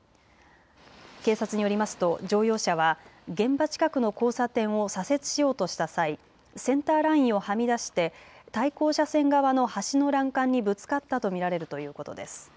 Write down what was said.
警察によりますと乗用車は現場近くの交差点を左折しようとした際、センターラインをはみ出して対向車線側の橋の欄干にぶつかったと見られるということです。